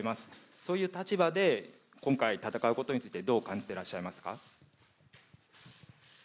そういう立場で今回戦うことについてどう感じていらっしゃいますか。